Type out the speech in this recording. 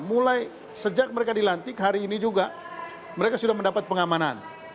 mulai sejak mereka dilantik hari ini juga mereka sudah mendapat pengamanan